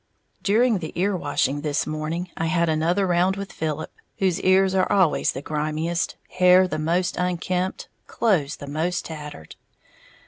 _ During the ear washing this morning, I had another round with Philip, whose ears are always the grimiest, hair the most unkempt, clothes the most tattered.